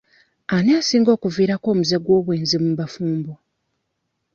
Ani asinga okuviirako omuze gw'obwenzi mu bafumbo?